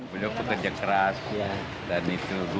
beliau bekerja keras dan itu